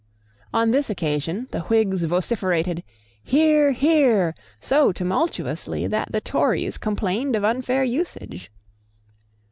On this occasion, the Whigs vociferated "Hear, hear," so tumultuously that the Tories complained of unfair usage.